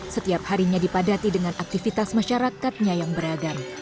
setiap harinya dipadati dengan aktivitas masyarakatnya yang beragam